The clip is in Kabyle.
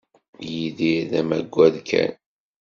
Yidir d amaggad kan.